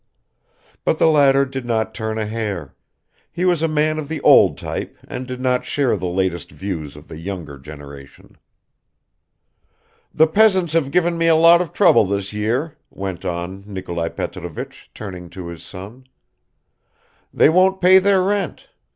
But the latter did not turn a hair; he was a man of the old type and did not share the latest views of the younger generation. "The peasants have given me a lot of trouble this year," went on Nikolai Petrovich, turning to his son. "They won't pay their rent.